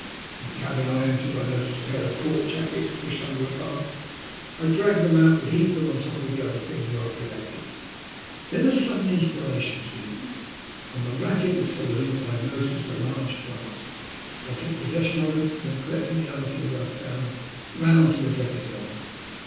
In the cabin I entered I noticed a pair of cork jackets pushed under a bunk. I dragged them out, and heaped them on the top of the other things I had collected. Then a sadden inspiration seized me. On the rack in the saloon I had noticed a large flask. I took possession of it, and then, collecting the other things I had found, ran on deck again.